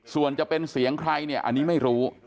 ส่วนจะเป็นเสียงใครเนี่ยอันนี้ไม่รู้